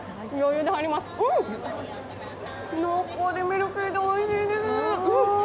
濃厚でミルキーでおいしいです！